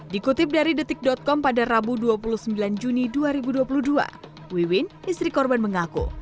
dikutip dari detik com pada rabu dua puluh sembilan juni dua ribu dua puluh dua wiwin istri korban mengaku